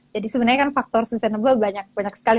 jadi sebenarnya kan faktor sustainable banyak sekali